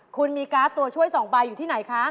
คุณมีการ์ดตัวช่วย๒ใบอยู่ที่ไหนคะ